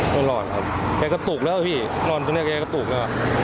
ไม่รอดครับแกก็ตุกแล้วพี่นอนตรงนี้แกก็ตุกแล้ว